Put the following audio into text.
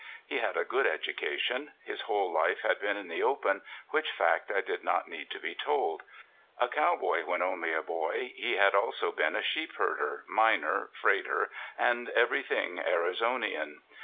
He had a good education. His whole life had been in the open, which fact I did not need to be told. A cowboy when only a boy he had also been sheepherder, miner, freighter, and everything Arizonian.